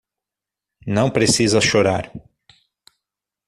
Não precisa chorar.